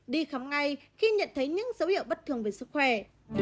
đi khám ngay khi nhận thấy những dấu hiệu bất thường về sức khỏe